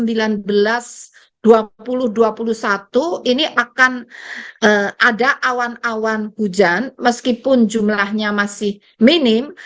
ini akan ada awan awan hujan meskipun jumlahnya masih minim